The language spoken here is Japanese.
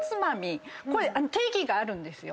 これ定義があるんですよ。